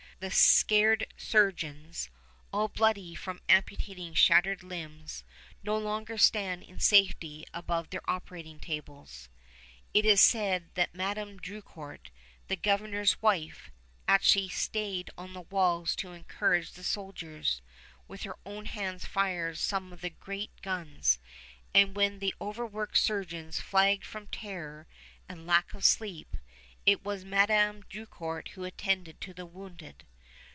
The scared surgeons, all bloody from amputating shattered limbs, no longer stand in safety above their operating tables. It is said that Madame Drucourt, the Governor's wife, actually stayed on the walls to encourage the soldiers, with her own hands fired some of the great guns, and, when the overworked surgeons flagged from terror and lack of sleep, it was Madame Drucourt who attended to the wounded.